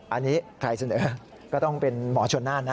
อันนี้ใครเสนอก็ต้องเป็นหมอชนน่านนะ